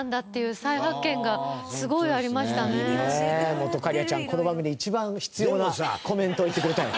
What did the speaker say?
本仮屋ちゃん、この番組で一番必要なコメントを言ってくれたよ。